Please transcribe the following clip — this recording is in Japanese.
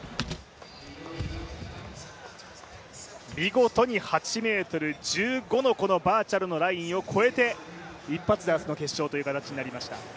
見事に８ｍ１５のこのバーチャルのラインを超えて、一発で明日の決勝という形になりました。